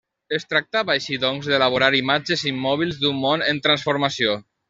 Es tractava així, doncs, d'elaborar imatges immòbils d'un món en transformació.